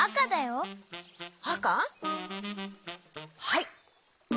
はい。